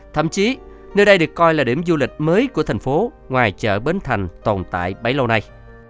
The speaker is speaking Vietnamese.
thậm chí nơi đây được coi là điểm du lịch mới của thành phố ngoài chợ bến thành tồn tại bấy lâu nay